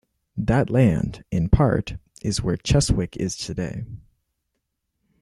That land, in part, is where Cheswick is today.